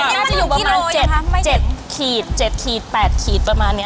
อันนี้มันอยู่บัง๗ขีด๘ขีดประมาณเนี่ย